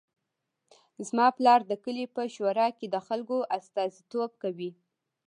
زما پلار د کلي په شورا کې د خلکو استازیتوب کوي